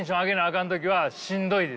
かん時はしんどいです。